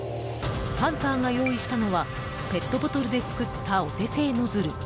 ハンターが用意したのはペットボトルで作ったお手製ノズル。